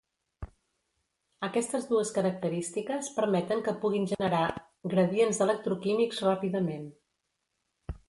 Aquestes dues característiques permeten que puguin generar gradients electroquímics ràpidament.